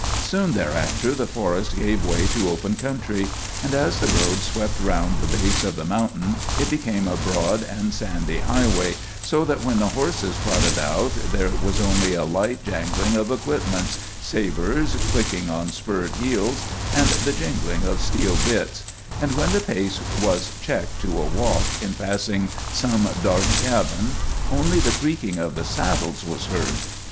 Soon thereafter the forest gave way to open country, and as the road swept round the base of the mountain it became a broad and sandy highway, so that when the horses trotted out there was only a light jangling of equipments, sabers clicking on spurred heels, and the jingling of steel bits, and when the pace was checked to a walk in passing some dark cabin only the creaking of the saddles was heard.